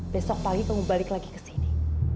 besok pagi kamu balik lagi ke sini